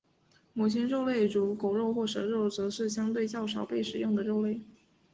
某些肉类如狗肉或蛇肉则是相对较少被食用的肉类。